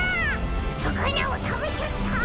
さかなをたべちゃった！